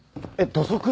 土足。